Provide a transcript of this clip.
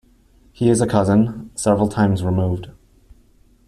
He is a cousin, several times removed.